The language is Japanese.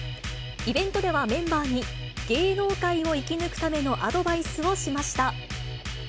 イベントではメンバーに、芸能界を生き抜くためのアドバイスをしました。